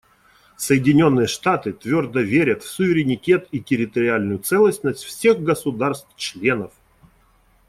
Соединенные Штаты твердо верят в суверенитет и территориальную целостность всех государств-членов.